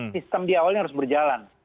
sistem di awalnya harus berjalan